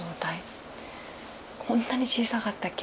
「こんなに小さかったっけ